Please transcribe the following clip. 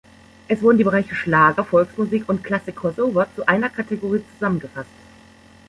Es wurden die Bereiche Schlager, Volksmusik und Klassik-Crossover zu einer Kategorie zusammengefasst.